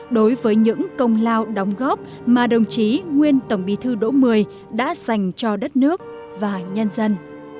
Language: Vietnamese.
đối với những công lao đóng góp mà đồng chí nguyên tổng bí thư đỗ mười đã dành cho đất nước và nhân dân